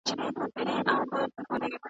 او نورو په درجه ورته قایل دي .